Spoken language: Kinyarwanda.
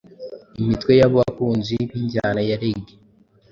imitwe y’abakunzi b’injyana ya Reggae